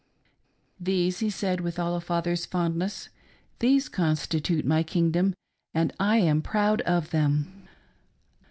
" These," he said, with all a father's fondness ^" these constitute my kingdom, and I am proCid of them."